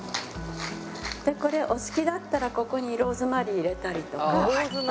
でこれお好きだったらここにローズマリー入れたりとかしてもいいし。